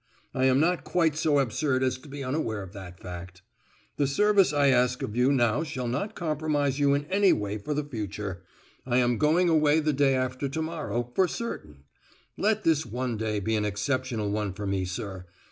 I am not quite so absurd as to be unaware of that fact. The service I ask of you now shall not compromise you in any way for the future. I am going away the day after to morrow, for certain; let this one day be an exceptional one for me, sir.